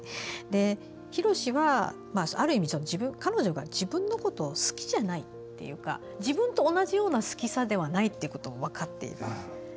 広志は、ある意味彼女が自分のことを好きじゃないっていうか自分と同じような好きさではないということを分かっている。